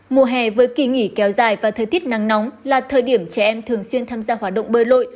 mùa hè với kỳ nghỉ kéo dài và thời tiết nắng nóng là thời điểm trẻ em thường xuyên tham gia hoạt động bơi lội